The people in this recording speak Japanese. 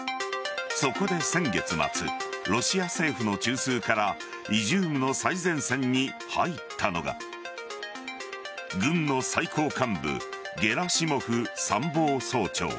そこで先月末ロシア政府の中枢からイジュームの最前線に入ったのが軍の最高幹部ゲラシモフ参謀総長。